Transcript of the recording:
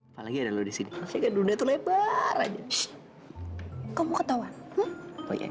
saksikan series ipa dan ips di gtv